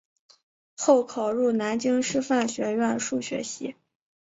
后考入南京师范学院数学系。